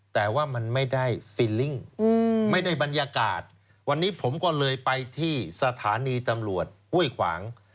แต่ว่ามันไม่ได้ฟิลลิ่งไม่ได้บรรยากาศวันนี้ผมก็เลยไปที่สถานีตำรวจห้วยขวาง